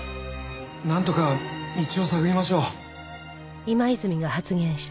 なんとか道を探りましょう。